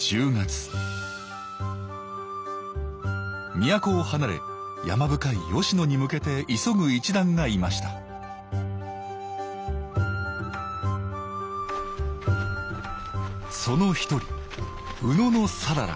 都を離れ山深い吉野に向けて急ぐ一団がいましたその一人野讃良。